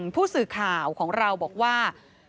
ผู้สื่อข่าวของเราบอกว่า